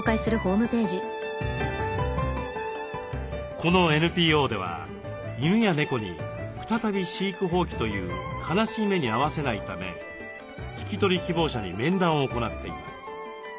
このＮＰＯでは犬や猫に再び飼育放棄という悲しい目に遭わせないため引き取り希望者に面談を行っています。